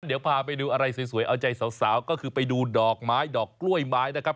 เดี๋ยวพาไปดูอะไรสวยเอาใจสาวก็คือไปดูดอกไม้ดอกกล้วยไม้นะครับ